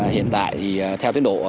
hiện tại theo tiến độ